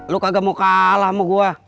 lu kagak mau kalah sama gua